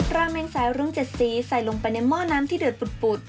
ราเมงสายรุ้ง๗สีใส่ลงไปในหม้อน้ำที่เดือดปุด